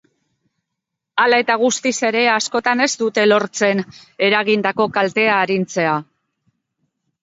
Hala eta guztiz ere, askotan ez dute lortzen eragindako kaltea arintzea.